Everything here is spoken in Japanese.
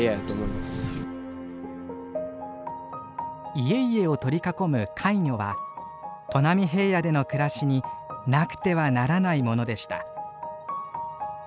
家々を取り囲むカイニョは砺波平野での暮らしになくてはならないものでした。